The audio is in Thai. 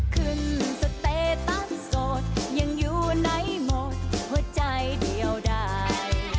ขึ้นสเตย์ตั้งโสดยังอยู่ในหมดหัวใจเดียวได้